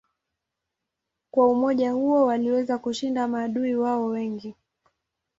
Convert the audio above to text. Kwa umoja huo waliweza kushinda maadui wao wengi.